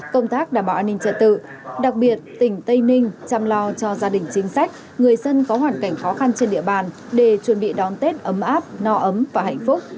công tác đảm bảo an ninh trật tự đặc biệt tỉnh tây ninh chăm lo cho gia đình chính sách người dân có hoàn cảnh khó khăn trên địa bàn để chuẩn bị đón tết ấm áp no ấm và hạnh phúc